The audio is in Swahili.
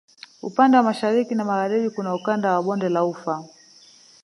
Upande wa Mashariki na Magharibi kuna Ukanda wa bonde la Ufa